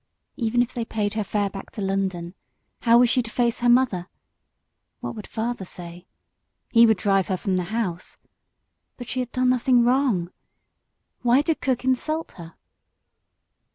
Even if they paid her fare back to London, how was she to face her mother? What would father say? He would drive her from the house. But she had done nothing wrong. Why did cook insult her?